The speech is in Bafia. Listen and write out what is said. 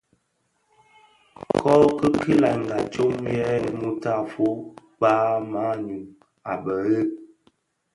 Kōki kilènga tsom yè mutafog kpag manyu a bhëg.